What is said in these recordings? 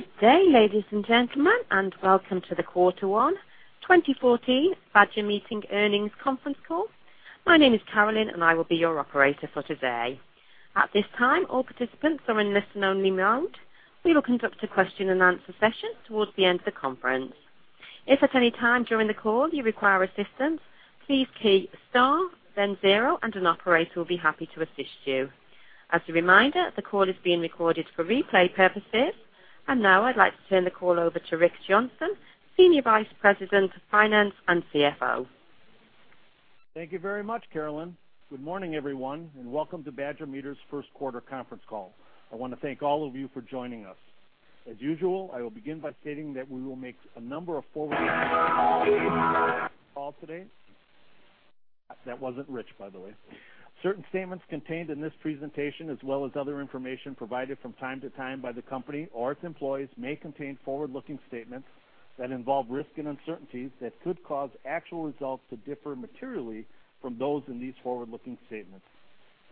Good day, ladies and gentlemen, and welcome to the Quarter One 2014 Badger Meter Earnings Conference Call. My name is Carolyn and I will be your operator for today. At this time, all participants are in listen only mode. We will conduct a question and answer session towards the end of the conference. If at any time during the call you require assistance, please key star, then zero and an operator will be happy to assist you. As a reminder, the call is being recorded for replay purposes. Now I'd like to turn the call over to Rich Johnson, Senior Vice President of Finance and CFO. Thank you very much, Carolyn. Good morning, everyone, and welcome to Badger Meter's first quarter conference call. I want to thank all of you for joining us. As usual, I will begin by stating that we will make a number of forward-looking statements today. That wasn't Rich, by the way. Certain statements contained in this presentation, as well as other information provided from time to time by the company or its employees, may contain forward-looking statements that involve risk and uncertainties that could cause actual results to differ materially from those in these forward-looking statements.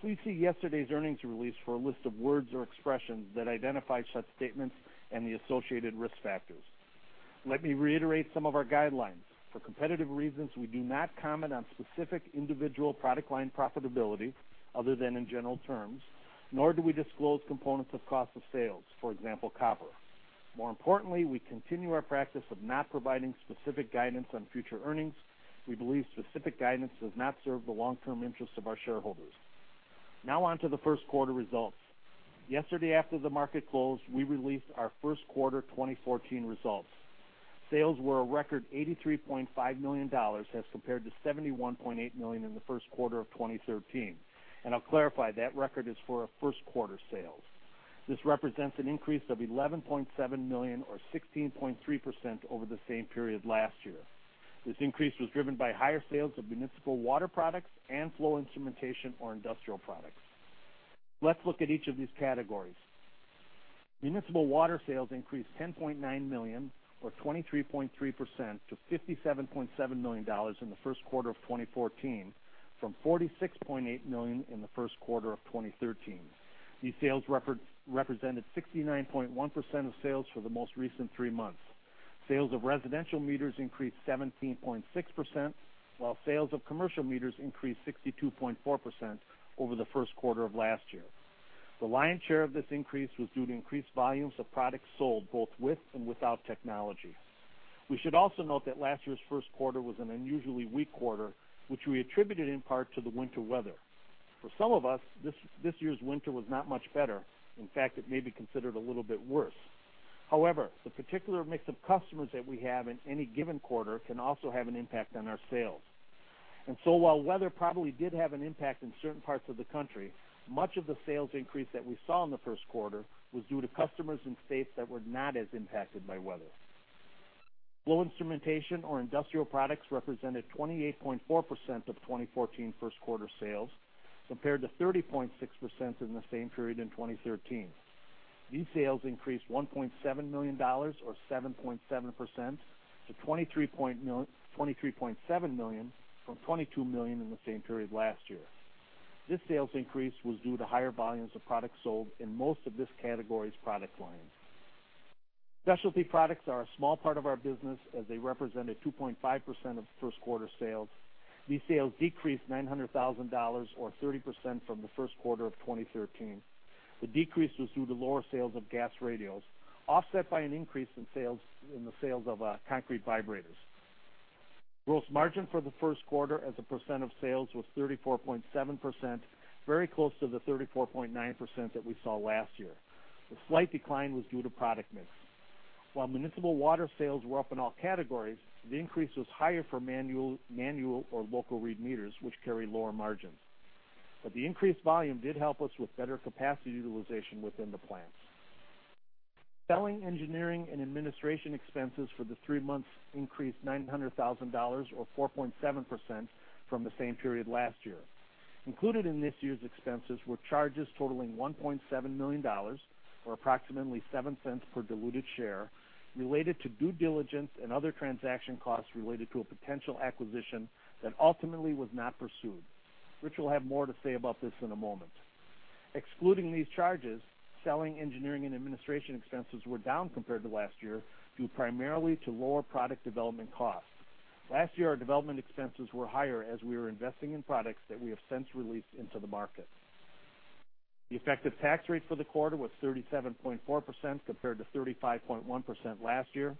Please see yesterday's earnings release for a list of words or expressions that identify such statements and the associated risk factors. Let me reiterate some of our guidelines. For competitive reasons, we do not comment on specific individual product line profitability other than in general terms, nor do we disclose components of cost of sales, for example, copper. More importantly, we continue our practice of not providing specific guidance on future earnings. We believe specific guidance does not serve the long-term interests of our shareholders. Now on to the first quarter results. Yesterday, after the market closed, we released our first quarter 2014 results. Sales were a record $83.5 million as compared to $71.8 million in the first quarter of 2013. I'll clarify, that record is for our first quarter sales. This represents an increase of $11.7 million, or 16.3% over the same period last year. This increase was driven by higher sales of municipal water products and flow instrumentation or industrial products. Let's look at each of these categories. Municipal water sales increased $10.9 million or 23.3% to $57.7 million in the first quarter of 2014 from $46.8 million in the first quarter of 2013. These sales represented 69.1% of sales for the most recent three months. Sales of residential meters increased 17.6%, while sales of commercial meters increased 62.4% over the first quarter of last year. The lion's share of this increase was due to increased volumes of products sold both with and without technology. We should also note that last year's first quarter was an unusually weak quarter, which we attributed in part to the winter weather. For some of us, this year's winter was not much better. In fact, it may be considered a little bit worse. However, the particular mix of customers that we have in any given quarter can also have an impact on our sales. While weather probably did have an impact in certain parts of the country, much of the sales increase that we saw in the first quarter was due to customers in states that were not as impacted by weather. Flow instrumentation or industrial products represented 28.4% of 2014 first quarter sales, compared to 30.6% in the same period in 2013. These sales increased $1.7 million, or 7.7%, to $23.7 million from $22 million in the same period last year. This sales increase was due to higher volumes of product sold in most of this category's product lines. Specialty products are a small part of our business, as they represented 2.5% of first quarter sales. These sales decreased $900,000, or 30%, from the first quarter of 2013. The decrease was due to lower sales of gas radios, offset by an increase in the sales of concrete vibrators. Gross margin for the first quarter as a percent of sales was 34.7%, very close to the 34.9% that we saw last year. The slight decline was due to product mix. While municipal water sales were up in all categories, the increase was higher for manual or local read meters, which carry lower margins. The increased volume did help us with better capacity utilization within the plants. Selling, engineering, and administration expenses for the three months increased $900,000, or 4.7%, from the same period last year. Included in this year's expenses were charges totaling $1.7 million, or approximately $0.07 per diluted share, related to due diligence and other transaction costs related to a potential acquisition that ultimately was not pursued. Rich will have more to say about this in a moment. Excluding these charges, selling, engineering, and administration expenses were down compared to last year, due primarily to lower product development costs. Last year, our development expenses were higher as we were investing in products that we have since released into the market. The effective tax rate for the quarter was 37.4% compared to 35.1% last year.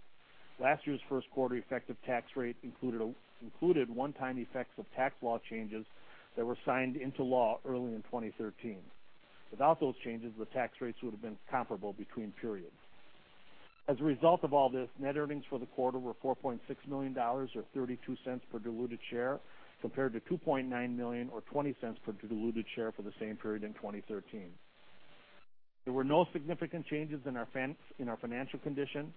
Last year's first quarter effective tax rate included one-time effects of tax law changes that were signed into law early in 2013. Without those changes, the tax rates would have been comparable between periods. Net earnings for the quarter were $4.6 million, or $0.32 per diluted share, compared to $2.9 million or $0.20 per diluted share for the same period in 2013. There were no significant changes in our financial condition.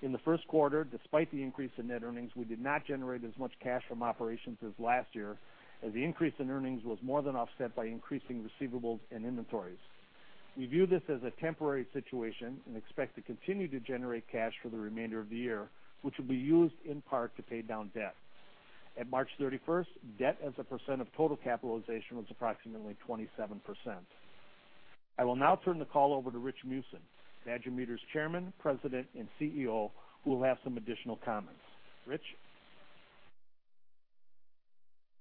In the first quarter, despite the increase in net earnings, we did not generate as much cash from operations as last year, as the increase in earnings was more than offset by increasing receivables and inventories. We view this as a temporary situation and expect to continue to generate cash for the remainder of the year, which will be used in part to pay down debt. At March 31st, debt as a percent of total capitalization was approximately 27%. I will now turn the call over to Rich Meeusen, Badger Meter's Chairman, President, and CEO, who will have some additional comments. Rich? Thank you,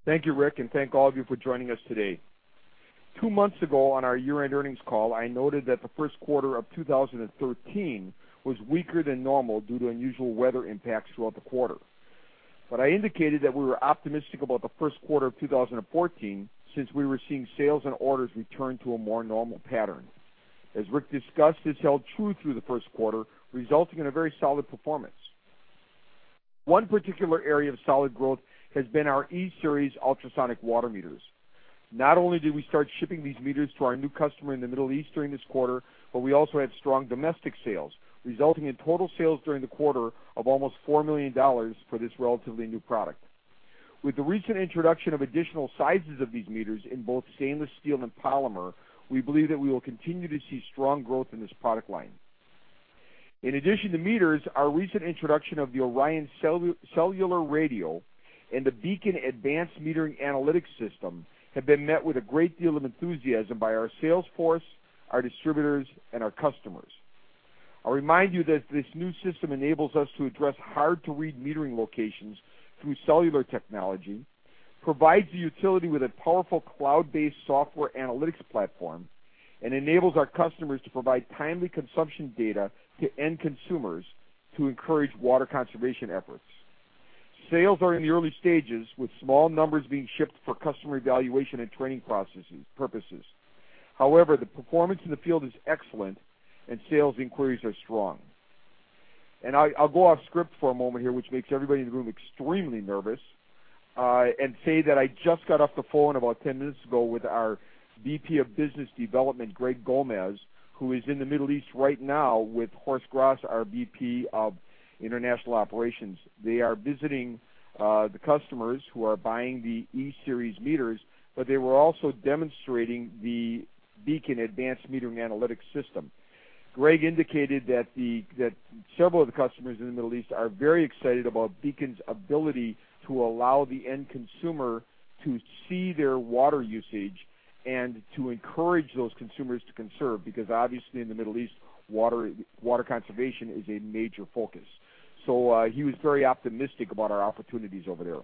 Rick, and thank all of you for joining us today. 2 months ago, on our year-end earnings call, I noted that the first quarter of 2013 was weaker than normal due to unusual weather impacts throughout the quarter. I indicated that we were optimistic about the first quarter of 2014, since we were seeing sales and orders return to a more normal pattern. As Rick discussed, this held true through the first quarter, resulting in a very solid performance. 1 particular area of solid growth has been our E-Series ultrasonic water meters. Not only did we start shipping these meters to our new customer in the Middle East during this quarter, but we also had strong domestic sales, resulting in total sales during the quarter of almost $4 million for this relatively new product. With the recent introduction of additional sizes of these meters in both stainless steel and polymer, we believe that we will continue to see strong growth in this product line. In addition to meters, our recent introduction of the ORION Cellular and the BEACON Advanced Metering Analytics have been met with a great deal of enthusiasm by our sales force, our distributors and our customers. I'll remind you that this new system enables us to address hard-to-read metering locations through cellular technology, provides the utility with a powerful cloud-based software analytics platform, and enables our customers to provide timely consumption data to end consumers to encourage water conservation efforts. Sales are in the early stages, with small numbers being shipped for customer evaluation and training purposes. The performance in the field is excellent and sales inquiries are strong. I'll go off script for a moment here, which makes everybody in the room extremely nervous, and say that I just got off the phone about 10 minutes ago with our Vice President of Business Development, Greg Gomez, who is in the Middle East right now with Horst Gras, our Vice President of International Operations. They are visiting the customers who are buying the E-Series meters, they were also demonstrating the BEACON Advanced Metering Analytics. Greg indicated that several of the customers in the Middle East are very excited about BEACON's ability to allow the end consumer to see their water usage and to encourage those consumers to conserve, because obviously in the Middle East, water conservation is a major focus. He was very optimistic about our opportunities over there.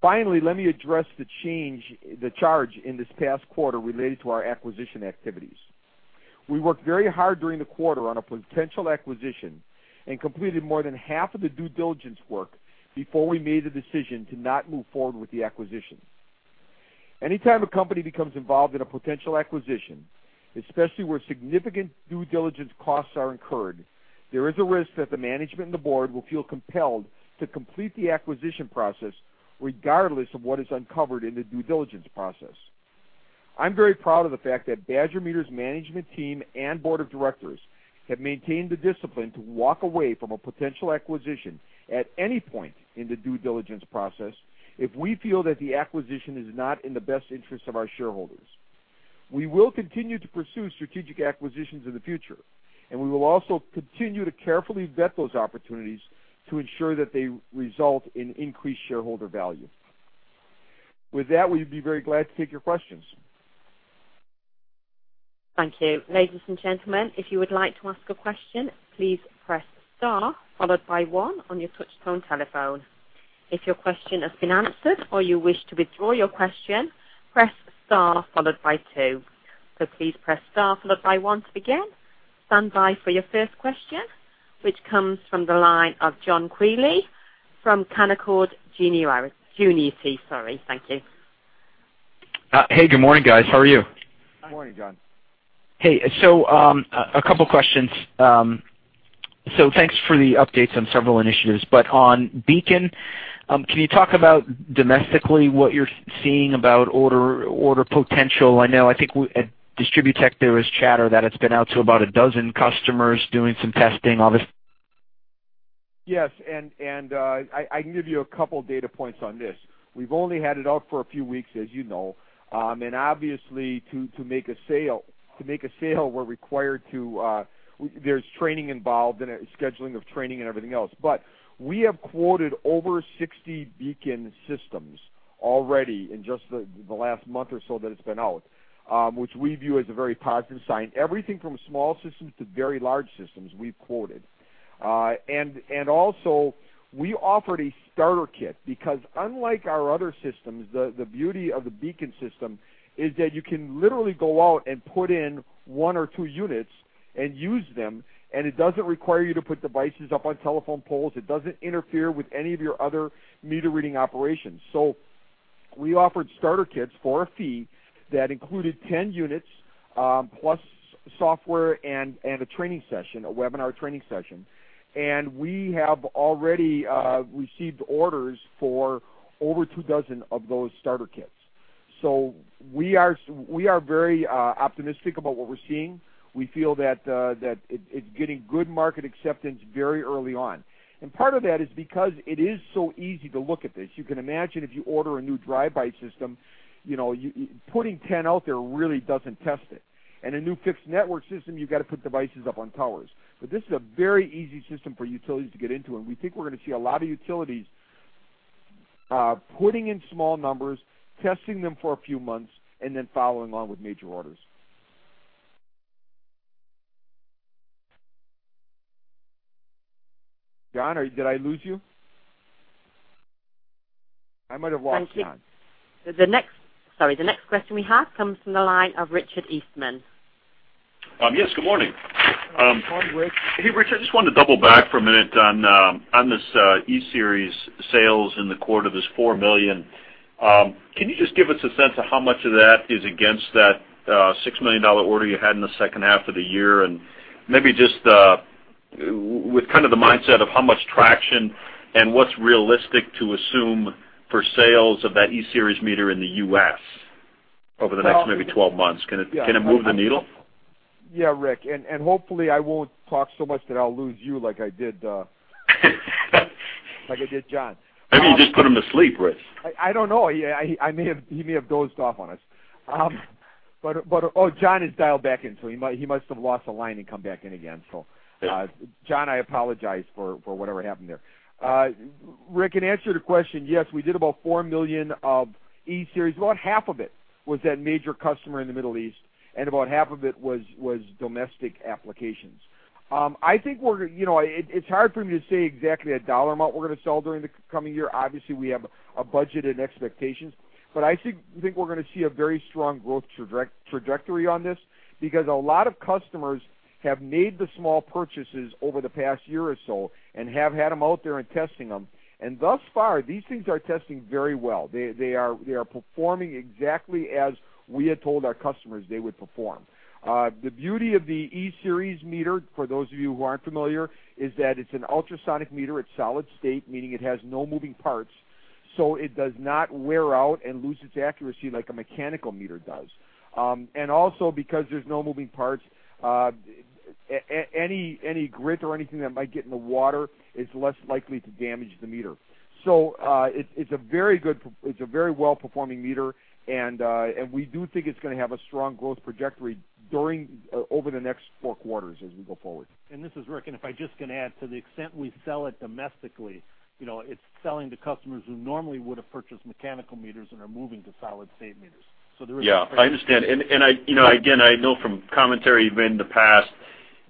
Finally, let me address the charge in this past quarter related to our acquisition activities. We worked very hard during the quarter on a potential acquisition and completed more than half of the due diligence work before we made the decision to not move forward with the acquisition. Anytime a company becomes involved in a potential acquisition, especially where significant due diligence costs are incurred, there is a risk that the management and the board will feel compelled to complete the acquisition process regardless of what is uncovered in the due diligence process. I'm very proud of the fact that Badger Meter's management team and board of directors have maintained the discipline to walk away from a potential acquisition at any point in the due diligence process, if we feel that the acquisition is not in the best interest of our shareholders. We will continue to pursue strategic acquisitions in the future, we will also continue to carefully vet those opportunities to ensure that they result in increased shareholder value. With that, we'd be very glad to take your questions. Thank you. Ladies and gentlemen, if you would like to ask a question, please press star followed by one on your touch tone telephone. If your question has been answered or you wish to withdraw your question, press star followed by two. Please press star followed by one to begin. Stand by for your first question, which comes from the line of John Quealy from Canaccord Genuity. Sorry, thank you. Hey, good morning, guys. How are you? Morning, John. Hey, a couple of questions. Thanks for the updates on several initiatives. On BEACON, can you talk about domestically what you're seeing about order potential? I know, I think at DistribuTECH, there was chatter that it's been out to about a dozen customers doing some testing. Yes, I can give you a couple data points on this. We've only had it out for a few weeks, as you know. Obviously, to make a sale, there's training involved and scheduling of training and everything else. We have quoted over 60 BEACON systems already in just the last month or so that it's been out, which we view as a very positive sign. Everything from small systems to very large systems, we've quoted. Also, we offered a starter kit, because unlike our other systems, the beauty of the BEACON system is that you can literally go out and put in one or two units and use them, and it doesn't require you to put devices up on telephone poles. It doesn't interfere with any of your other meter reading operations. We offered starter kits for a fee that included 10 units, plus software and a training session, a webinar training session. We have already received orders for over two dozen of those starter kits. We are very optimistic about what we're seeing. We feel that it's getting good market acceptance very early on. Part of that is because it is so easy to look at this. You can imagine if you order a new drive-by system, putting 10 out there really doesn't test it. A new fixed network system, you've got to put devices up on towers. This is a very easy system for utilities to get into, and we think we're going to see a lot of utilities Putting in small numbers, testing them for a few months, and then following on with major orders. John, did I lose you? I might have lost John. Thank you. Sorry, the next question we have comes from the line of Richard Eastman. Yes, good morning. Good morning, Rick. Hey, Richard, I just wanted to double back for a minute on this E-series sales in the quarter, this $4 million. Can you just give us a sense of how much of that is against that $6 million order you had in the second half of the year? Maybe just with the mindset of how much traction and what's realistic to assume for sales of that E-series meter in the U.S. over the next maybe 12 months. Can it move the needle? Yeah, Rick. Hopefully I won't talk so much that I'll lose you like I did John. Maybe you just put him to sleep, Rick. I don't know. He may have dozed off on us. John has dialed back in, he must have lost the line and come back in again. John, I apologize for whatever happened there. Rick, in answer to your question, yes, we did about $4 million of E-Series. About half of it was that major customer in the Middle East, and about half of it was domestic applications. It's hard for me to say exactly a dollar amount we're going to sell during the coming year. Obviously, we have a budget and expectations. I think we're going to see a very strong growth trajectory on this because a lot of customers have made the small purchases over the past year or so and have had them out there and testing them. Thus far, these things are testing very well. They are performing exactly as we had told our customers they would perform. The beauty of the E-Series meter, for those of you who aren't familiar, is that it's an ultrasonic meter. It's solid state, meaning it has no moving parts, it does not wear out and lose its accuracy like a mechanical meter does. Also because there's no moving parts, any grit or anything that might get in the water is less likely to damage the meter. It's a very well-performing meter, and we do think it's going to have a strong growth trajectory over the next four quarters as we go forward. This is Rich, if I just can add, to the extent we sell it domestically, it is selling to customers who normally would have purchased mechanical meters and are moving to solid state meters. There is. I understand. Again, I know from commentary you have made in the past,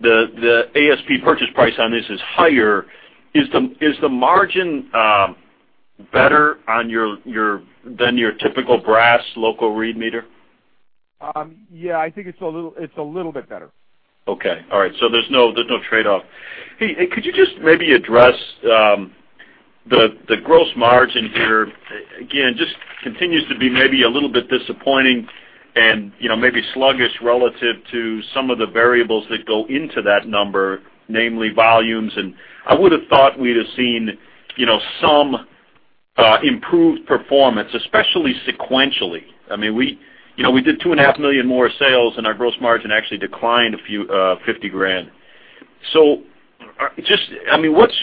the ASP purchase price on this is higher. Is the margin better than your typical brass local read meter? I think it's a little bit better. Okay. All right. There's no trade-off. Could you just maybe address the gross margin here? Again, just continues to be maybe a little bit disappointing and maybe sluggish relative to some of the variables that go into that number, namely volumes. I would have thought we'd have seen some improved performance, especially sequentially. We did two and a half million more sales, and our gross margin actually declined $50,000. Just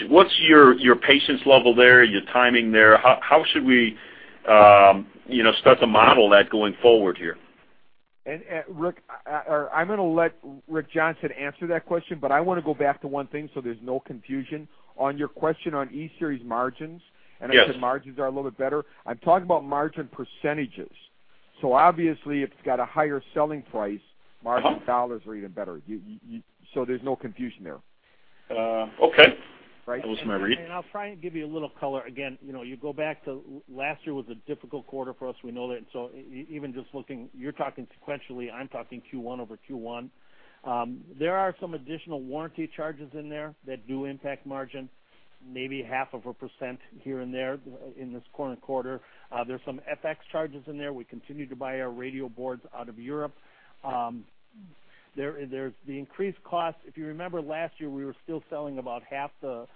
what's your patience level there, your timing there? How should we start to model that going forward here? Rick, I'm going to let Rick Johnson answer that question, but I want to go back to one thing so there's no confusion. On your question on E-Series margins. Yes I said margins are a little bit better. I'm talking about margin percentages. Obviously, if it's got a higher selling price. Margin dollars are even better. There's no confusion there. Okay. Those are my reads. I'll try and give you a little color. You go back to last year was a difficult quarter for us. We know that. Even just looking, you're talking sequentially, I'm talking Q1 over Q1. There are some additional warranty charges in there that do impact margin, maybe half of a percent here and there in this current quarter. There's some FX charges in there. We continue to buy our radio boards out of Europe. There's the increased cost. If you remember, last year, we were still selling about half the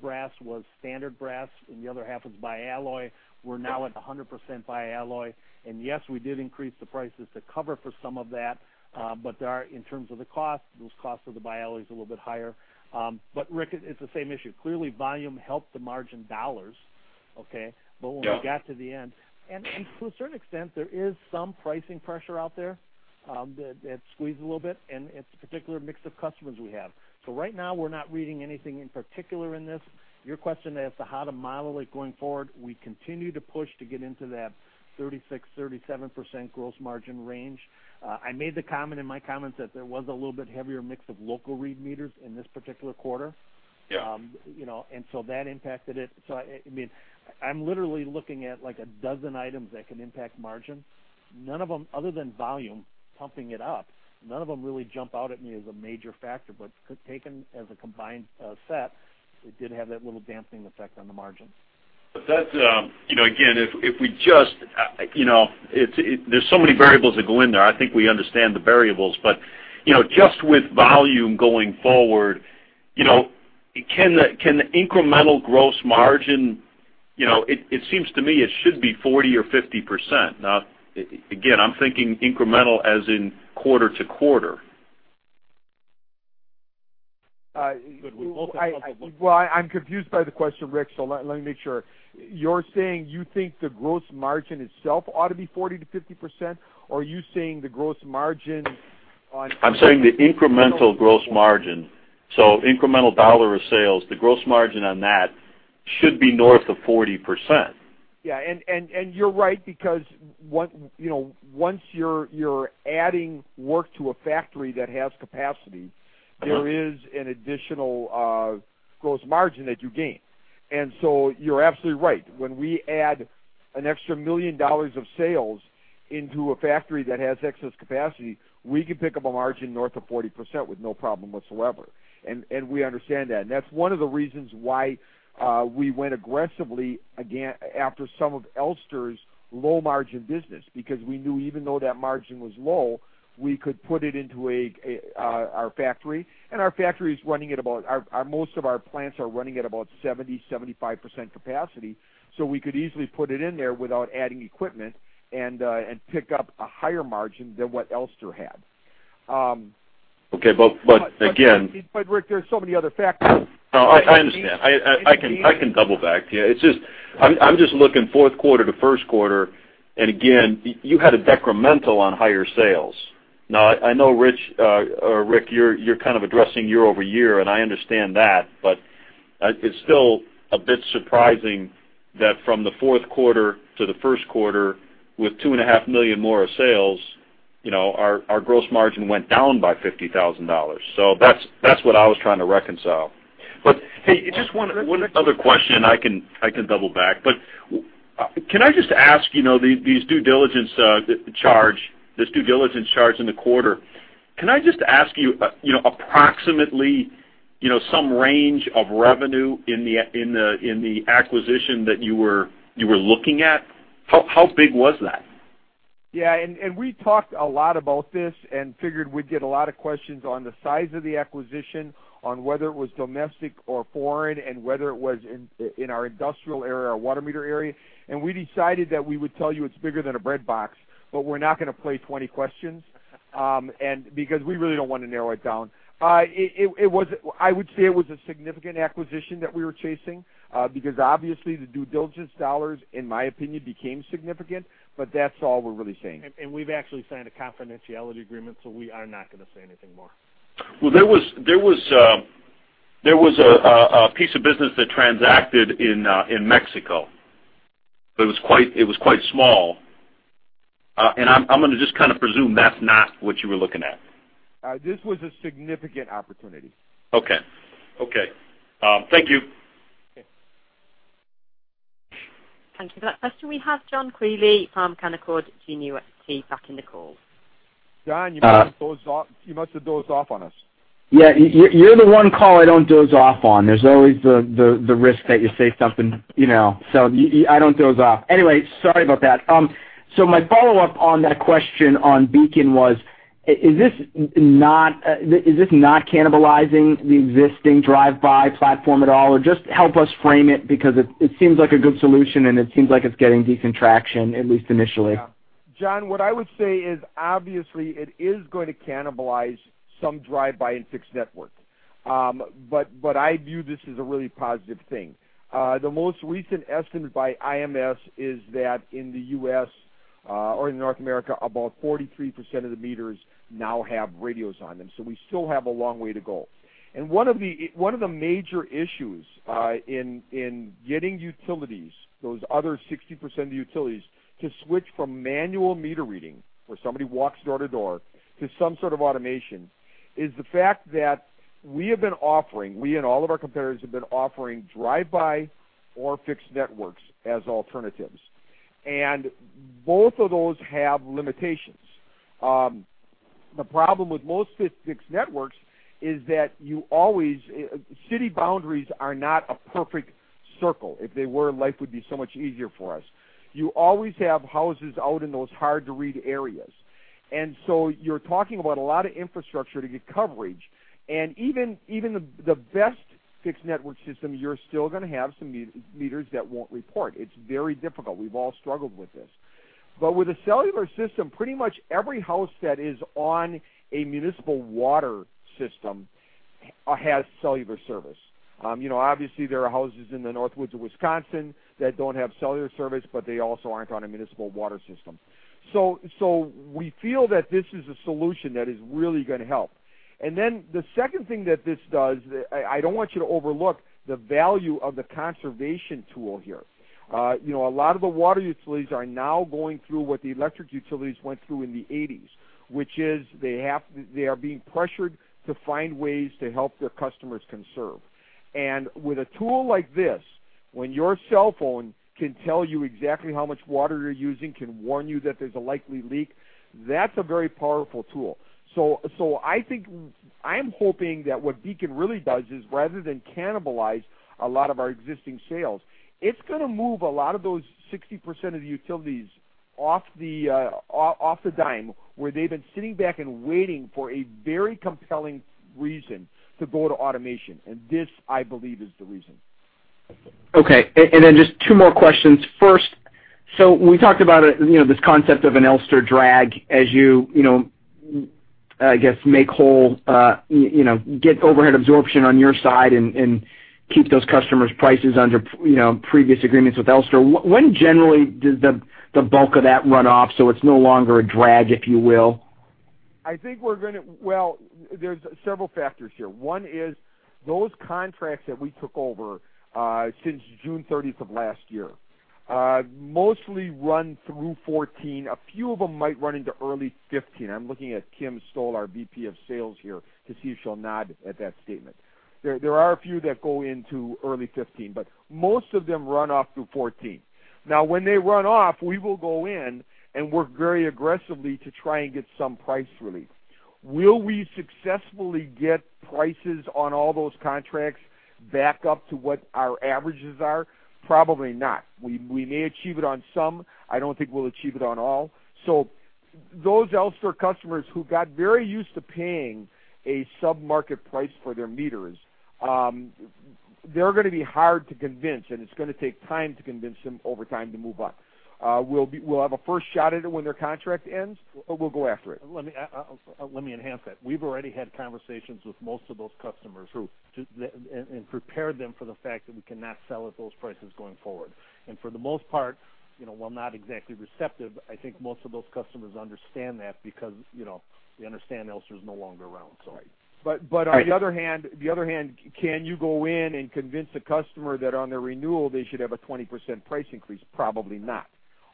brass was standard brass, and the other half was bi-alloy. We're now at 100% bi-alloy. Yes, we did increase the prices to cover for some of that. There are, in terms of the cost, those costs of the bi-alloy is a little bit higher. Rick, it's the same issue. Clearly, volume helped the margin dollars, okay? Yeah. When we got to the end, and to a certain extent, there is some pricing pressure out there that squeezed a little bit, and it's the particular mix of customers we have. Right now, we're not reading anything in particular in this. Your question as to how to model it going forward, we continue to push to get into that 36%-37% gross margin range. I made the comment in my comments that there was a little bit heavier mix of local read meters in this particular quarter. Yeah. That impacted it. I'm literally looking at like a dozen items that can impact margin. None of them, other than volume pumping it up, none of them really jump out at me as a major factor. Taken as a combined set, it did have that little damping effect on the margin. That, again, there's so many variables that go in there. I think we understand the variables, but just with volume going forward, can incremental gross margin? It seems to me it should be 40% or 50%. Again, I'm thinking incremental as in quarter-to-quarter. I'm confused by the question, Rick. Let me make sure. You're saying you think the gross margin itself ought to be 40%-50%, or are you saying the gross margin? I'm saying the incremental gross margin. Incremental dollar of sales, the gross margin on that should be north of 40%. Yeah. You're right, because once you're adding work to a factory that has capacity. there is an additional gross margin that you gain. You're absolutely right. When we add an extra $1 million of sales into a factory that has excess capacity, we can pick up a margin north of 40% with no problem whatsoever. We understand that. That's one of the reasons why we went aggressively after some of Elster's low-margin business, because we knew even though that margin was low, we could put it into our factory. Most of our plants are running at about 70%, 75% capacity. We could easily put it in there without adding equipment, and pick up a higher margin than what Elster had. Okay. Again. Rich, there are so many other factors. No, I understand. I can double back to you. I'm just looking fourth quarter to first quarter, again, you had a decremental on higher sales. I know, Rich, you're kind of addressing year-over-year, and I understand that, but it's still a bit surprising that from the fourth quarter to the first quarter, with $2.5 million more of sales, our gross margin went down by $50,000. That's what I was trying to reconcile. Hey, just one other question, I can double back. Can I just ask, these due diligence charge in the quarter, can I just ask you approximately some range of revenue in the acquisition that you were looking at? How big was that? We talked a lot about this and figured we'd get a lot of questions on the size of the acquisition, on whether it was domestic or foreign, and whether it was in our industrial area or water meter area. We decided that we would tell you it's bigger than a breadbox, but we're not going to play 20 questions, because we really don't want to narrow it down. I would say it was a significant acquisition that we were chasing, because obviously the due diligence dollars, in my opinion, became significant, but that's all we're really saying. We've actually signed a confidentiality agreement, we are not going to say anything more. There was a piece of business that transacted in Mexico. It was quite small. I'm going to just kind of presume that's not what you were looking at. This was a significant opportunity. Okay. Thank you. Okay. Thank you for that question. We have John Quealy from Canaccord Genuity back in the call. John, you must have dozed off on us. Yeah. You're the one call I don't doze off on. There's always the risk that you say something, so I don't doze off. Anyway, sorry about that. My follow-up on that question on BEACON was, is this not cannibalizing the existing drive-by platform at all? Just help us frame it because it seems like a good solution, and it seems like it's getting decent traction, at least initially. Yeah. John, what I would say is, obviously, it is going to cannibalize some drive-by and fixed network. I view this as a really positive thing. The most recent estimate by IMS Research is that in the U.S., or in North America, about 43% of the meters now have radios on them. We still have a long way to go. One of the major issues in getting utilities, those other 60% of utilities, to switch from manual meter reading, where somebody walks door to door, to some sort of automation, is the fact that we have been offering, we and all of our competitors have been offering drive-by or fixed networks as alternatives. Both of those have limitations. The problem with most fixed networks is that city boundaries are not a perfect circle. If they were, life would be so much easier for us. You always have houses out in those hard-to-read areas. You're talking about a lot of infrastructure to get coverage. Even the best fixed network system, you're still going to have some meters that won't report. It's very difficult. We've all struggled with this. With a cellular system, pretty much every house that is on a municipal water system has cellular service. Obviously, there are houses in the Northwoods of Wisconsin that don't have cellular service, but they also aren't on a municipal water system. We feel that this is a solution that is really going to help. The second thing that this does, I don't want you to overlook the value of the conservation tool here. A lot of the water utilities are now going through what the electric utilities went through in the '80s, which is they are being pressured to find ways to help their customers conserve. With a tool like this, when your cell phone can tell you exactly how much water you're using, can warn you that there's a likely leak, that's a very powerful tool. I'm hoping that what BEACON really does is rather than cannibalize a lot of our existing sales, it's going to move a lot of those 60% of the utilities off the dime where they've been sitting back and waiting for a very compelling reason to go to automation. This, I believe, is the reason. Okay. Just two more questions. First, we talked about this concept of an Elster drag as you, I guess, get overhead absorption on your side and keep those customers' prices under previous agreements with Elster. When generally does the bulk of that run off so it's no longer a drag, if you will? I think there's several factors here. One is those contracts that we took over since June 30th of last year, mostly run through 2014. A few of them might run into early 2015. I'm looking at Kim Stoll, our VP of sales here, to see if she'll nod at that statement. There are a few that go into early 2015, but most of them run off through 2014. When they run off, we will go in and work very aggressively to try and get some price relief. Will we successfully get prices on all those contracts back up to what our averages are? Probably not. We may achieve it on some. I don't think we'll achieve it on all. Those Elster customers who got very used to paying a sub-market price for their meters, they're going to be hard to convince, and it's going to take time to convince them over time to move on. We'll have a first shot at it when their contract ends. We'll go after it. Let me enhance that. We've already had conversations with most of those customers and prepared them for the fact that we cannot sell at those prices going forward. For the most part, while not exactly receptive, I think most of those customers understand that because they understand Elster's no longer around. Right. On the other hand, can you go in and convince a customer that on their renewal, they should have a 20% price increase? Probably not.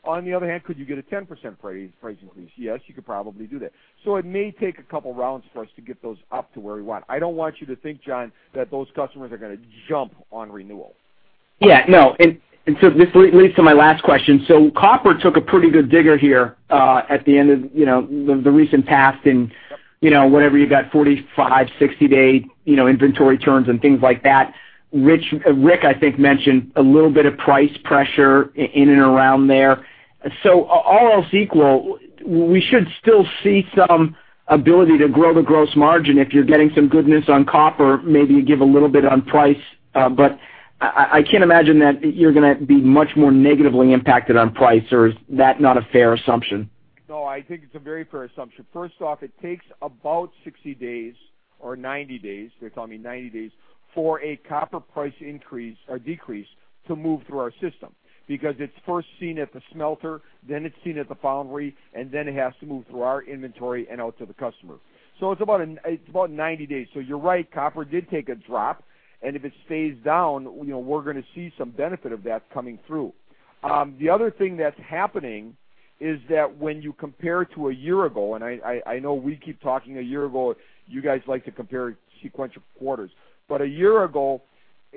On the other hand, could you get a 10% price increase? Yes, you could probably do that. It may take a couple of rounds for us to get those up to where we want. I don't want you to think, John, that those customers are going to jump on renewal. Yeah. No. This leads to my last question. Copper took a pretty good digger here at the end of the recent past and whatever you got, 45, 60-day inventory turns and things like that. Rick, I think, mentioned a little bit of price pressure in and around there. All else equal, we should still see some ability to grow the gross margin. If you're getting some goodness on copper, maybe you give a little bit on price. I can't imagine that you're going to be much more negatively impacted on price, or is that not a fair assumption? No, I think it's a very fair assumption. First off, it takes about 60 days or 90 days. They tell me 90 days for a copper price increase or decrease to move through our system because it's first seen at the smelter, then it's seen at the foundry, and then it has to move through our inventory and out to the customer. It's about 90 days. You're right, copper did take a drop, and if it stays down, we're going to see some benefit of that coming through. The other thing that's happening is that when you compare to a year ago, and I know we keep talking a year ago, you guys like to compare sequential quarters. A year ago,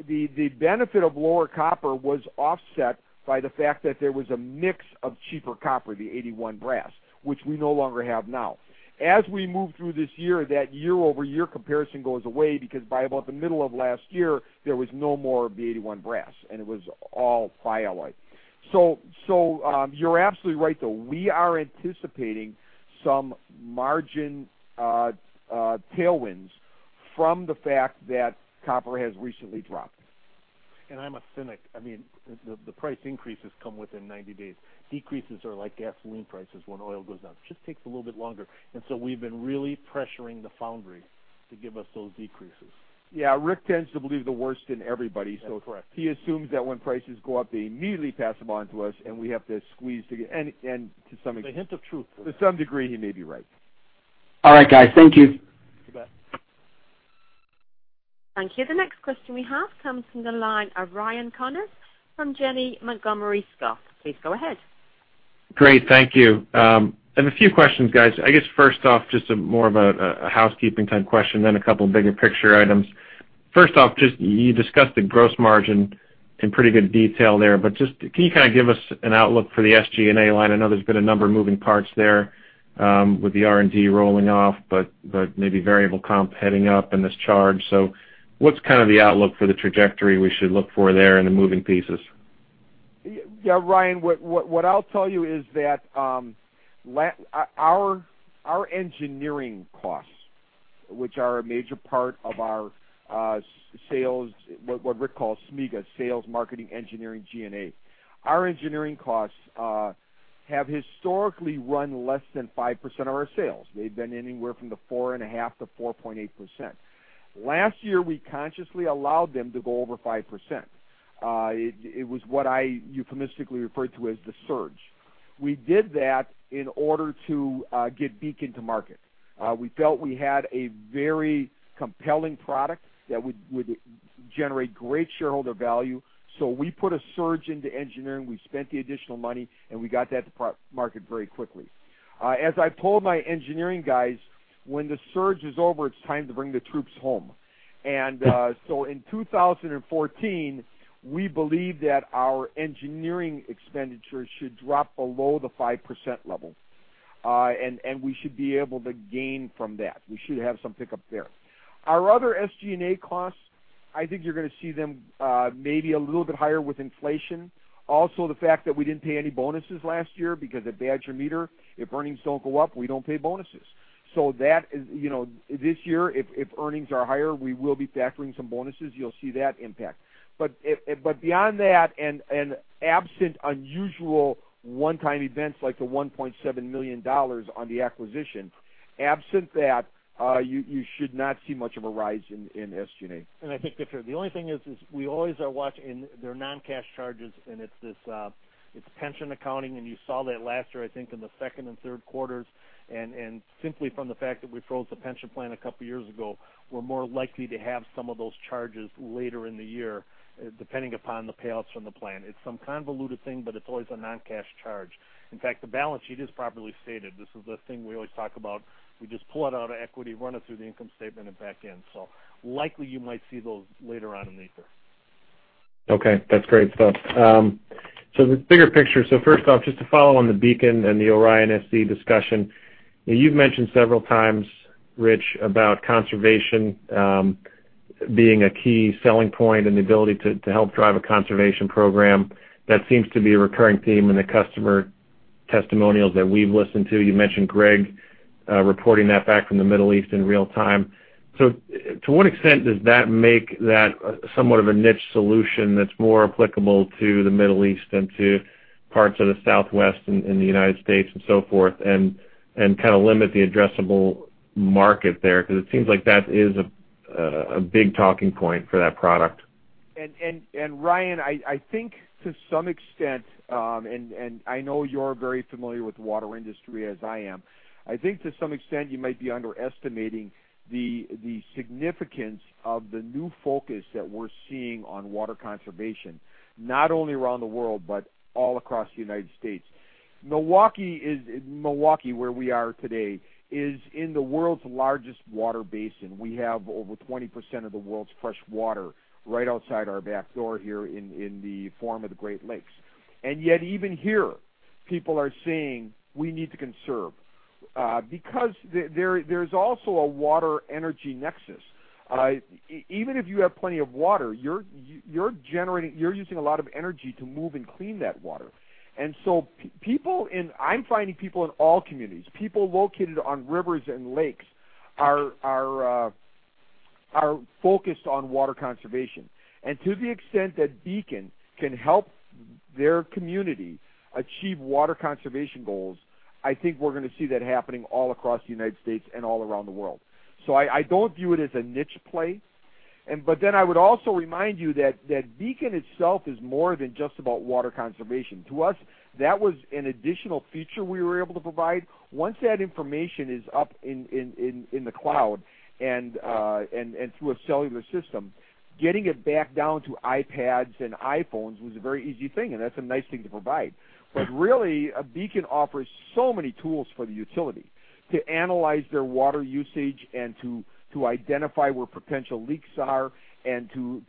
the benefit of lower copper was offset by the fact that there was a mix of cheaper copper, the 81 brass, which we no longer have now. As we move through this year, that year-over-year comparison goes away because by about the middle of last year, there was no more of the 81 brass, and it was all bi-alloy. You're absolutely right, though. We are anticipating some margin tailwinds from the fact that copper has recently dropped. I'm a cynic. The price increases come within 90 days. Decreases are like gasoline prices when oil goes down. It just takes a little bit longer. We've been really pressuring the foundry to give us those decreases. Yeah. Rick tends to believe the worst in everybody. That's correct. He assumes that when prices go up, they immediately pass them on to us, and we have to squeeze to get There's a hint of truth to that. To some degree, he may be right. All right, guys. Thank you. You bet. Thank you. The next question we have comes from the line of Ryan Connors from Janney Montgomery Scott. Please go ahead. Great. Thank you. I have a few questions, guys. I guess first off, just more of a housekeeping-type question, then a couple of bigger picture items. First off, you discussed the gross margin in pretty good detail there, can you kind of give us an outlook for the SG&A line? I know there's been a number of moving parts there with the R&D rolling off, maybe variable comp heading up and this charge. What's kind of the outlook for the trajectory we should look for there and the moving pieces? Yeah, Ryan, what I'll tell you is that our engineering costs, which are a major part of our sales, what Rick calls SME&A, sales, marketing, engineering, G&A. Our engineering costs have historically run less than 5% of our sales. They've been anywhere from the 4.5% to 4.8%. Last year, we consciously allowed them to go over 5%. It was what I euphemistically referred to as the surge. We did that in order to get BEACON to market. We felt we had a very compelling product that would generate great shareholder value. We put a surge into engineering, we spent the additional money, and we got that to market very quickly. As I told my engineering guys, when the surge is over, it's time to bring the troops home. In 2014, we believe that our engineering expenditures should drop below the 5% level, and we should be able to gain from that. We should have some pickup there. Our other SG&A costs, I think you're going to see them maybe a little bit higher with inflation. Also, the fact that we didn't pay any bonuses last year because at Badger Meter, if earnings don't go up, we don't pay bonuses. That is, this year, if earnings are higher, we will be factoring some bonuses. You'll see that impact. Beyond that, and absent unusual one-time events like the $1.7 million on the acquisition, absent that, you should not see much of a rise in SG&A. I think, Richard, the only thing is we always are watching. There are non-cash charges, and it's pension accounting, and you saw that last year, I think, in the second and third quarters. Simply from the fact that we froze the pension plan a couple of years ago, we're more likely to have some of those charges later in the year, depending upon the payoffs from the plan. It's some convoluted thing, but it's always a non-cash charge. In fact, the balance sheet is properly stated. This is the thing we always talk about. We just pull it out of equity, run it through the income statement, and back in. Likely you might see those later on in the year. Okay, that's great stuff. The bigger picture, first off, just to follow on the BEACON and the ORION Cellular discussion. You've mentioned several times, Rich, about conservation being a key selling point and the ability to help drive a conservation program. That seems to be a recurring theme in the customer testimonials that we've listened to. You mentioned Greg reporting that back from the Middle East in real time. To what extent does that make that somewhat of a niche solution that's more applicable to the Middle East than to parts of the Southwest and the U.S. and so forth, and kind of limit the addressable market there? Because it seems like that is a big talking point for that product. Ryan, I think to some extent, and I know you're very familiar with the water industry as I am. I think to some extent you might be underestimating the significance of the new focus that we're seeing on water conservation, not only around the world, but all across the U.S. Milwaukee, where we are today, is in the world's largest water basin. We have over 20% of the world's fresh water right outside our back door here in the form of the Great Lakes. Yet even here, people are saying we need to conserve. Because there is also a water energy nexus. Even if you have plenty of water, you're using a lot of energy to move and clean that water. People, and I'm finding people in all communities, people located on rivers and lakes are focused on water conservation. To the extent that BEACON can help their community achieve water conservation goals, I think we're going to see that happening all across the U.S. and all around the world. I don't view it as a niche play. I would also remind you that BEACON itself is more than just about water conservation. To us, that was an additional feature we were able to provide. Once that information is up in the cloud and through a cellular system, getting it back down to iPads and iPhones was a very easy thing, and that's a nice thing to provide. Really, BEACON offers so many tools for the utility to analyze their water usage and to identify where potential leaks are and to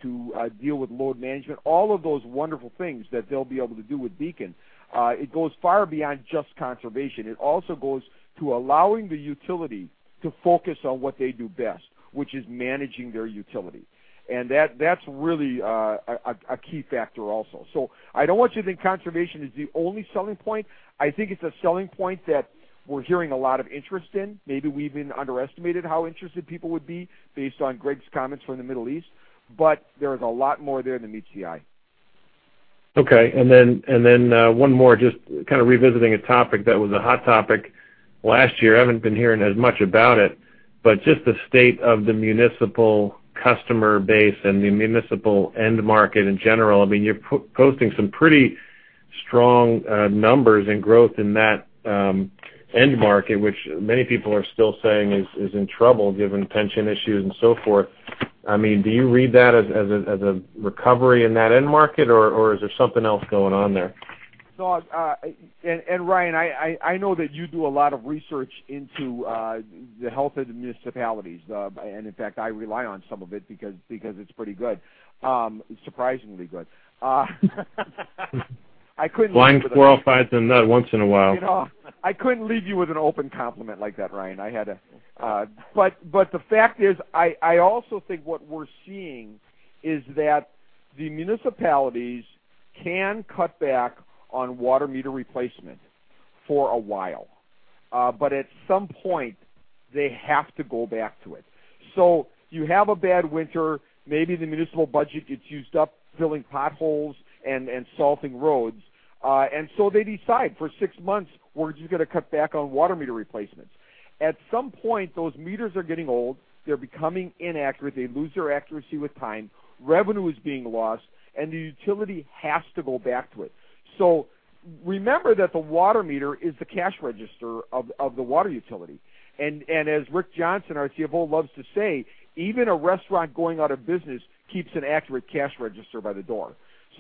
deal with load management, all of those wonderful things that they'll be able to do with BEACON. It goes far beyond just conservation. It also goes to allowing the utility to focus on what they do best, which is managing their utility. That's really a key factor also. I don't want you to think conservation is the only selling point. I think it's a selling point that we're hearing a lot of interest in. Maybe we even underestimated how interested people would be based on Greg's comments from the Middle East, but there is a lot more there than meets the eye. Okay. One more, just kind of revisiting a topic that was a hot topic last year. I haven't been hearing as much about it, but just the state of the municipal customer base and the municipal end market in general. You're posting some pretty strong numbers and growth in that end market, which many people are still saying is in trouble given pension issues and so forth. Do you read that as a recovery in that end market, or is there something else going on there? Ryan, I know that you do a lot of research into the health of the municipalities. In fact, I rely on some of it because it's pretty good. Surprisingly good. Blind squirrel finds a nut once in a while. I know. I couldn't leave you with an open compliment like that, Ryan. The fact is, I also think what we're seeing is that the municipalities can cut back on water meter replacement for a while. At some point, they have to go back to it. You have a bad winter, maybe the municipal budget gets used up filling potholes and salting roads. They decide for six months, we're just going to cut back on water meter replacements. At some point, those meters are getting old, they're becoming inaccurate, they lose their accuracy with time, revenue is being lost, and the utility has to go back to it. Remember that the water meter is the cash register of the water utility. As Rick Johnson, our CFO, loves to say, "Even a restaurant going out of business keeps an accurate cash register by the door."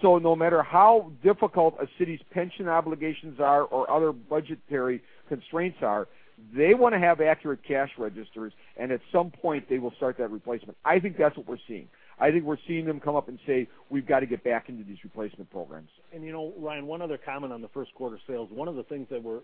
No matter how difficult a city's pension obligations are or other budgetary constraints are, they want to have accurate cash registers, and at some point, they will start that replacement. I think that's what we're seeing. I think we're seeing them come up and say, "We've got to get back into these replacement programs. Ryan, one other comment on the first quarter sales. One of the things that we're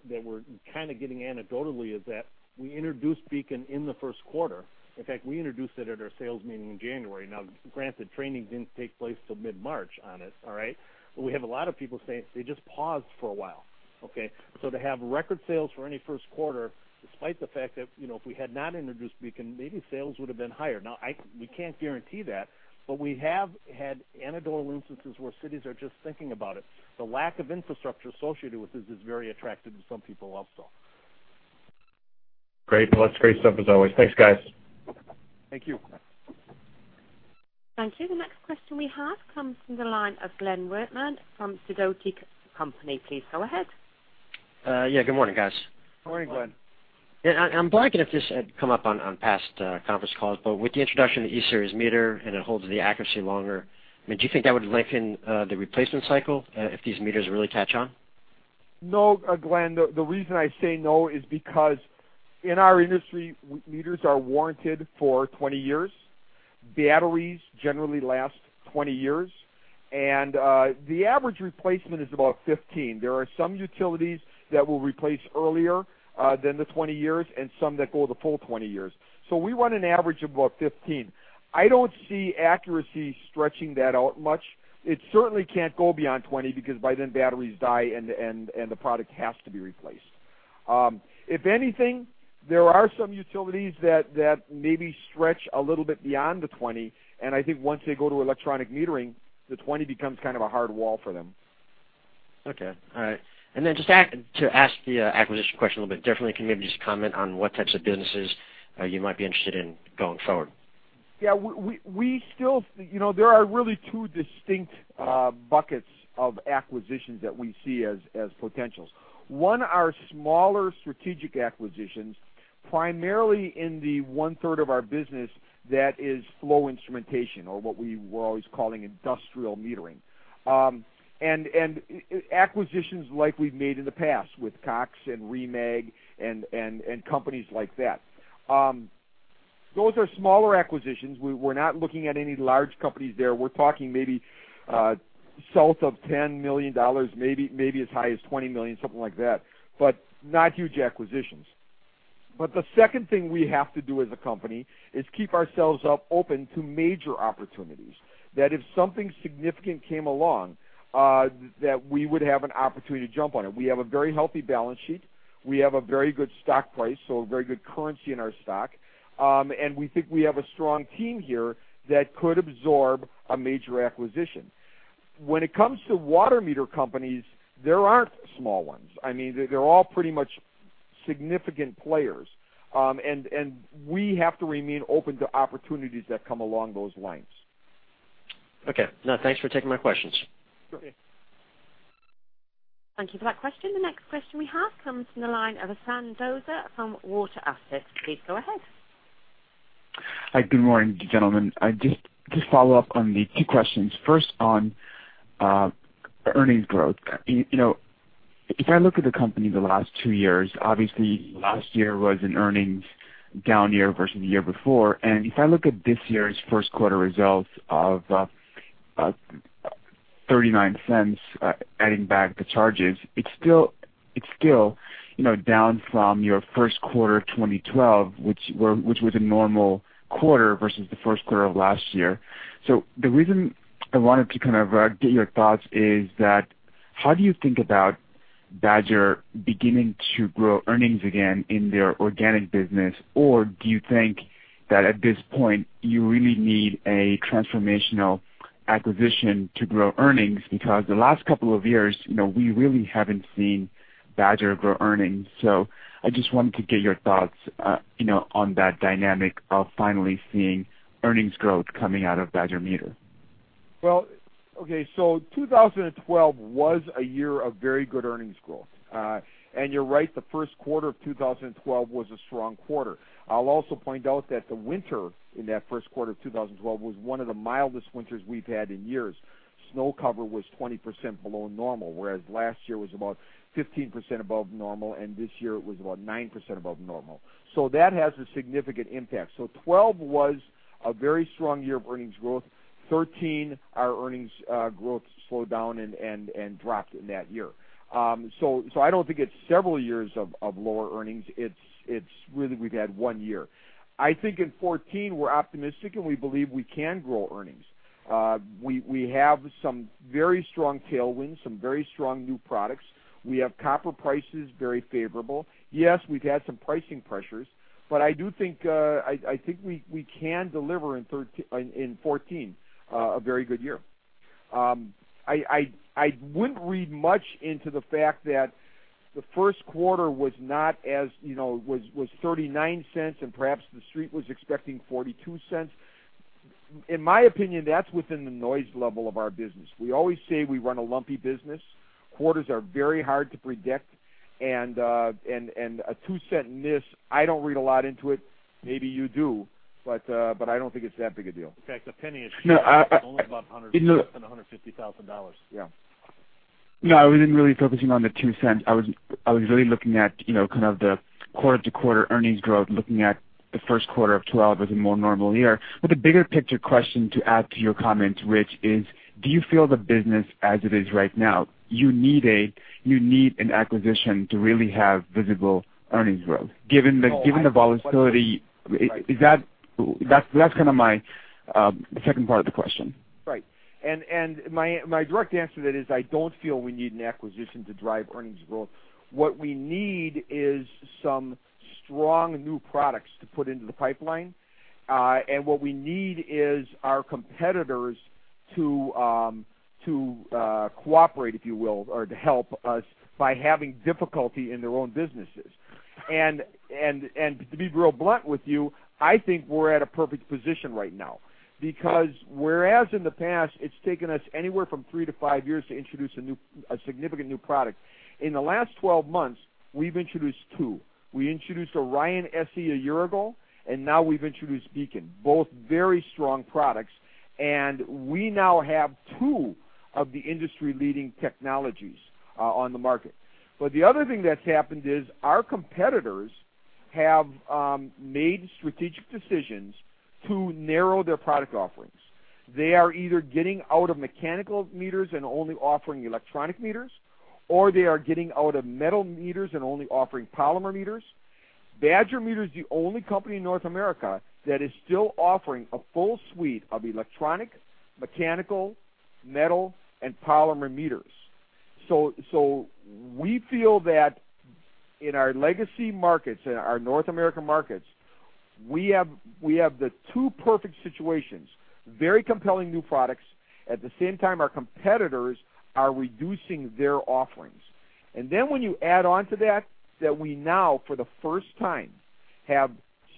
kind of getting anecdotally is that we introduced BEACON in the first quarter. In fact, we introduced it at our sales meeting in January. Now granted, training didn't take place till mid-March on it. All right? We have a lot of people saying they just paused for a while. Okay. To have record sales for any first quarter, despite the fact that, if we had not introduced BEACON, maybe sales would have been higher. Now, we can't guarantee that, we have had anecdotal instances where cities are just thinking about it. The lack of infrastructure associated with this is very attractive to some people also. Great. Well, that's great stuff as always. Thanks, guys. Thank you. Thank you. The next question we have comes from the line of Glenn Williams from Sidoti & Company. Please go ahead. Yeah, good morning, guys. Good morning, Glenn. I'm blanking if this had come up on past conference calls, but with the introduction of the E-Series meter, and it holds the accuracy longer, do you think that would lengthen the replacement cycle if these meters really catch on? No, Glenn. The reason I say no is because in our industry, meters are warranted for 20 years. Batteries generally last 20 years, and the average replacement is about 15. There are some utilities that will replace earlier than the 20 years, and some that go the full 20 years. We run an average of about 15. I don't see accuracy stretching that out much. It certainly can't go beyond 20 because by then batteries die and the product has to be replaced. If anything, there are some utilities that maybe stretch a little bit beyond the 20, and I think once they go to electronic metering, the 20 becomes kind of a hard wall for them. Okay. All right. Just to ask the acquisition question a little bit differently, can you maybe just comment on what types of businesses you might be interested in going forward? There are really two distinct buckets of acquisitions that we see as potentials. One are smaller strategic acquisitions, primarily in the one-third of our business that is flow instrumentation or what we were always calling industrial metering. Acquisitions like we've made in the past with Cox and Remag and companies like that. Those are smaller acquisitions. We're not looking at any large companies there. We're talking maybe south of $10 million, maybe as high as $20 million, something like that, but not huge acquisitions. The second thing we have to do as a company is keep ourselves open to major opportunities. That if something significant came along, that we would have an opportunity to jump on it. We have a very healthy balance sheet. We have a very good stock price, so a very good currency in our stock. We think we have a strong team here that could absorb a major acquisition. When it comes to water meter companies, there aren't small ones. They're all pretty much significant players. We have to remain open to opportunities that come along those lines. Okay. No, thanks for taking my questions. Sure. Thank you for that question. The next question we have comes from the line of Deacon Doke from Water Asset Management. Please go ahead. Hi. Good morning, gentlemen. Just to follow up on the two questions. First on earnings growth. If I look at the company the last two years, obviously last year was an earnings down year versus the year before. If I look at this year's first quarter results of $0.39, adding back the charges, it's still down from your first quarter 2012, which was a normal quarter versus the first quarter of last year. The reason I wanted to get your thoughts is that how do you think about Badger beginning to grow earnings again in their organic business? Or do you think that at this point, you really need a transformational acquisition to grow earnings? Because the last couple of years, we really haven't seen Badger grow earnings. I just wanted to get your thoughts on that dynamic of finally seeing earnings growth coming out of Badger Meter. Okay, 2012 was a year of very good earnings growth. You're right, the first quarter of 2012 was a strong quarter. I'll also point out that the winter in that first quarter of 2012 was one of the mildest winters we've had in years. Snow cover was 20% below normal, whereas last year was about 15% above normal, and this year it was about 9% above normal. That has a significant impact. 2012 was a very strong year of earnings growth. 2013, our earnings growth slowed down and dropped in that year. I don't think it's several years of lower earnings. It's really we've had one year. I think in 2014, we're optimistic, and we believe we can grow earnings. We have some very strong tailwinds, some very strong new products. We have copper prices, very favorable. Yes, we've had some pricing pressures, but I do think we can deliver in 2014, a very good year. I wouldn't read much into the fact that the first quarter was $0.39 and perhaps the street was expecting $0.42. In my opinion, that's within the noise level of our business. We always say we run a lumpy business. Quarters are very hard to predict, and a $0.02 miss, I don't read a lot into it. Maybe you do, but I don't think it's that big a deal. In fact, a $0.01 is only about $150,000. Yeah. No, I wasn't really focusing on the $0.02. I was really looking at kind of the quarter-over-quarter earnings growth, looking at the first quarter of 2012 as a more normal year. The bigger picture question to add to your comment, Rich, is do you feel the business as it is right now, you need an acquisition to really have visible earnings growth given the volatility? That's kind of my second part of the question. Right. My direct answer to that is I don't feel we need an acquisition to drive earnings growth. What we need is strong new products to put into the pipeline. What we need is our competitors to cooperate, if you will, or to help us by having difficulty in their own businesses. To be real blunt with you, I think we're at a perfect position right now. Because whereas in the past, it's taken us anywhere from three to five years to introduce a significant new product. In the last 12 months, we've introduced two. We introduced ORION SE a year ago, and now we've introduced BEACON, both very strong products. We now have two of the industry-leading technologies on the market. The other thing that's happened is our competitors have made strategic decisions to narrow their product offerings. They are either getting out of mechanical meters and only offering electronic meters, or they are getting out of metal meters and only offering polymer meters. Badger Meter is the only company in North America that is still offering a full suite of electronic, mechanical, metal, and polymer meters. We feel that in our legacy markets, in our North American markets, we have the two perfect situations, very compelling new products. At the same time, our competitors are reducing their offerings. When you add on to that we now, for the first time, have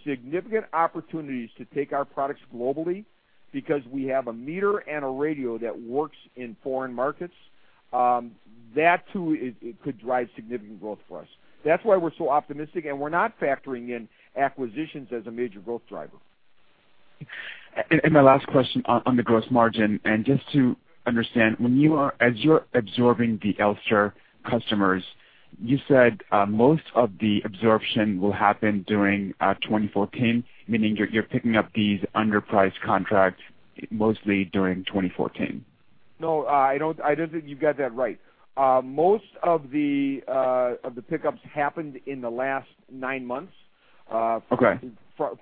significant opportunities to take our products globally because we have a meter and a radio that works in foreign markets. That, too, could drive significant growth for us. That's why we're so optimistic, and we're not factoring in acquisitions as a major growth driver. My last question on the gross margin, and just to understand, as you're absorbing the Elster customers, you said most of the absorption will happen during 2014, meaning you're picking up these underpriced contracts mostly during 2014. No, I don't think you've got that right. Most of the pickups happened in the last nine months. Okay.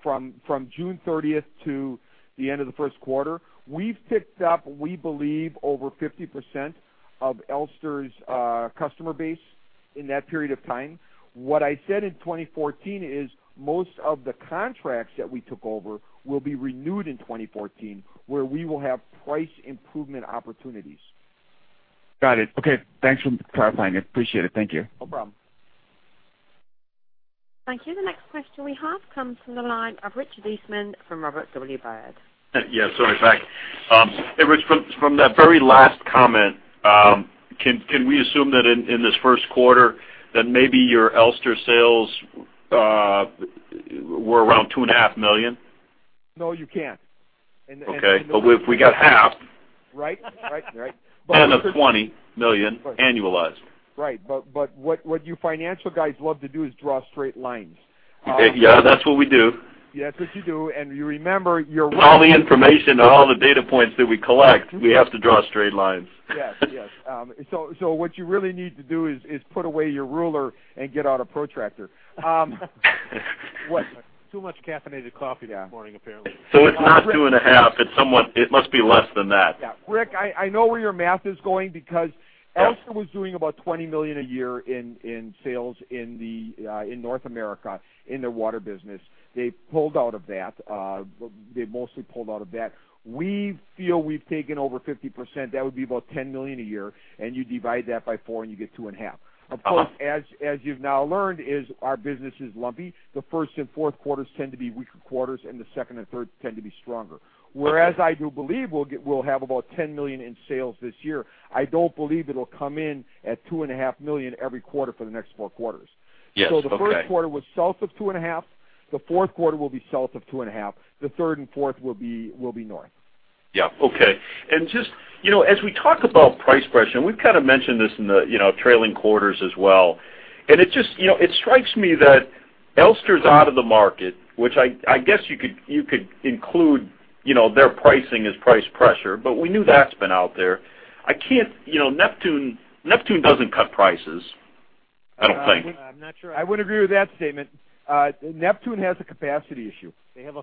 From June 30th to the end of the first quarter. We've picked up, we believe, over 50% of Elster's customer base in that period of time. What I said in 2014 is most of the contracts that we took over will be renewed in 2014, where we will have price improvement opportunities. Got it. Okay. Thanks for clarifying. Appreciate it. Thank you. No problem. Thank you. The next question we have comes from the line of Richard Eastman from Robert W. Baird. Yeah. Sorry, back. Hey, Rich, from that very last comment, can we assume that in this first quarter, that maybe your Elster sales were around $two and a half million? No, you can't. Okay. We got half. Right. a $20 million annualized. Right, what you financial guys love to do is draw straight lines. Yeah, that's what we do. That's what you do. you remember With all the information and all the data points that we collect, we have to draw straight lines. Yes. What you really need to do is put away your ruler and get out a protractor. What? Too much caffeinated coffee this morning, apparently. It's not two and a half. It must be less than that. Yeah. Rick, I know where your math is going because Elster was doing about $20 million a year in sales in North America in their water business. They pulled out of that. They mostly pulled out of that. We feel we've taken over 50%. That would be about $10 million a year, and you divide that by four, and you get two and a half. Of course, as you've now learned, is our business is lumpy. The first and fourth quarters tend to be weaker quarters, and the second and third tend to be stronger. Whereas I do believe we'll have about $10 million in sales this year, I don't believe it'll come in at two and a half million every quarter for the next four quarters. Yes. Okay. The first quarter was south of two and a half. The fourth quarter will be south of two and a half. The third and fourth will be north. Yeah. Okay. Just as we talk about price pressure, and we've kind of mentioned this in the trailing quarters as well. It strikes me that Elster's out of the market, which I guess you could include their pricing as price pressure, but we knew that's been out there. Neptune doesn't cut prices, I don't think. I'm not sure. I would agree with that statement. Neptune has a capacity issue. They have.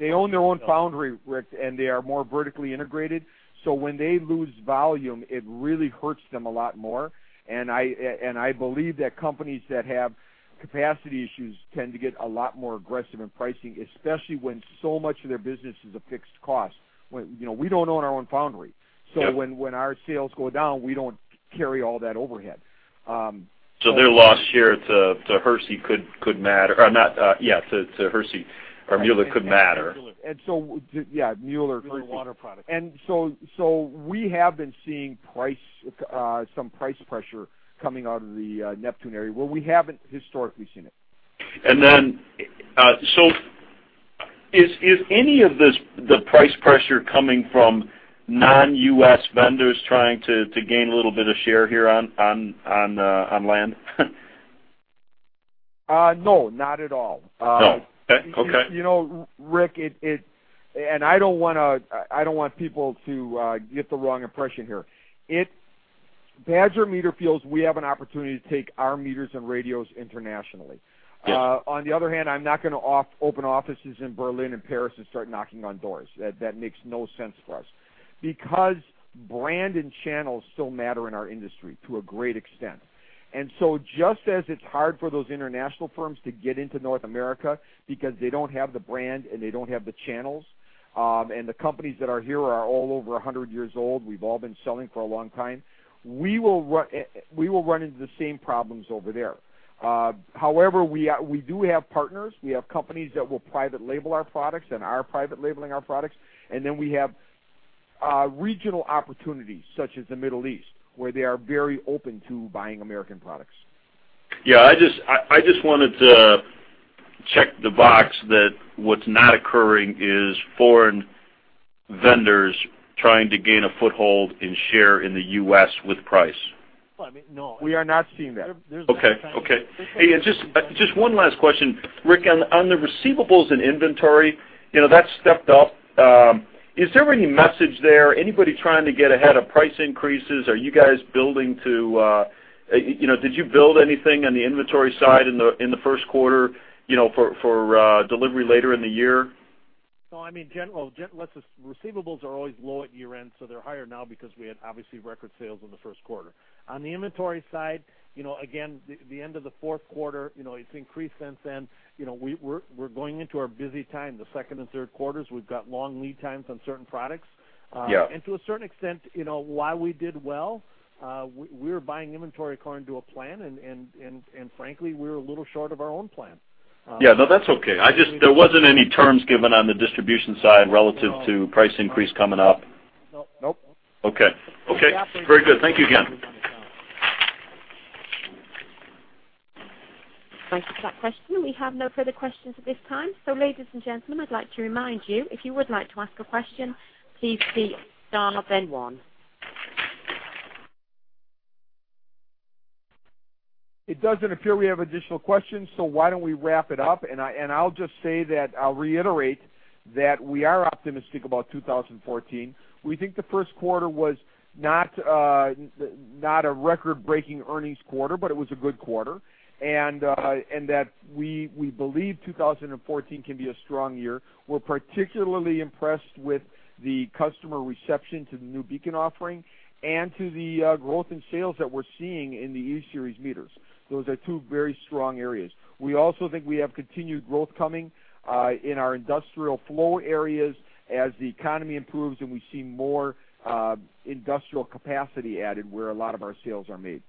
They own their own foundry, Rick. They are more vertically integrated. When they lose volume, it really hurts them a lot more. I believe that companies that have capacity issues tend to get a lot more aggressive in pricing, especially when so much of their business is a fixed cost. We don't own our own foundry. Yep. When our sales go down, we don't carry all that overhead. Their loss share to Hersey or Mueller could matter. Yeah, Mueller or Hersey. Mueller Water Products. We have been seeing some price pressure coming out of the Neptune area where we haven't historically seen it. Is any of this, the price pressure coming from non-U.S. vendors trying to gain a little bit of share here on land? No, not at all. No. Okay. Rick, I don't want people to get the wrong impression here. Badger Meter feels we have an opportunity to take our meters and radios internationally. Yes. On the other hand, I'm not going to open offices in Berlin and Paris and start knocking on doors. That makes no sense for us. Because Brand and channels still matter in our industry to a great extent. Just as it's hard for those international firms to get into North America because they don't have the brand and they don't have the channels, and the companies that are here are all over 100 years old, we've all been selling for a long time, we will run into the same problems over there. However, we do have partners. We have companies that will private label our products and are private labeling our products, and then we have regional opportunities such as the Middle East, where they are very open to buying American products. Yeah. I just wanted to check the box that what's not occurring is foreign vendors trying to gain a foothold and share in the U.S. with price. Well, I mean, no. We are not seeing that. Okay. Just one last question. Rick, on the receivables and inventory, that's stepped up. Is there any message there? Anybody trying to get ahead of price increases? Did you build anything on the inventory side in the first quarter for delivery later in the year? Well, receivables are always low at year-end, so they're higher now because we had obviously record sales in the first quarter. On the inventory side, again, the end of the fourth quarter, it's increased since then. We're going into our busy time, the second and third quarters. We've got long lead times on certain products. Yeah. To a certain extent, why we did well, we were buying inventory according to a plan, and frankly, we're a little short of our own plan. Yeah. No, that's okay. There wasn't any terms given on the distribution side relative to price increase coming up. No. Okay. Very good. Thank you again. Thank you for that question. We have no further questions at this time. Ladies and gentlemen, I'd like to remind you, if you would like to ask a question, please press star then one. It doesn't appear we have additional questions, why don't we wrap it up? I'll just say that I'll reiterate that we are optimistic about 2014. We think the first quarter was not a record-breaking earnings quarter, but it was a good quarter, and that we believe 2014 can be a strong year. We're particularly impressed with the customer reception to the new BEACON offering and to the growth in sales that we're seeing in the E-Series meters. Those are two very strong areas. We also think we have continued growth coming in our industrial flow areas as the economy improves and we see more industrial capacity added where a lot of our sales are made.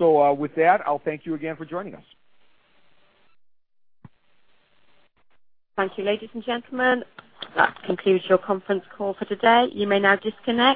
With that, I'll thank you again for joining us. Thank you, ladies and gentlemen. That concludes your conference call for today. You may now disconnect.